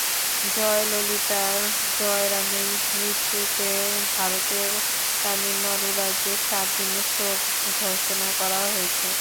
জয়ললিতা জয়রামের মৃত্যুতে ভারতের তামিলনাড়ু রাজ্যে সাত দিনের শোক ঘোষণা করা হয়েছে।